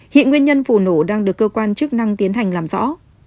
hiện nguyên nhân vụ nổ đang được cơ quan chức năng tiến hành làm rõ